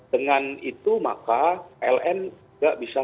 dengan itu maka pln juga bisa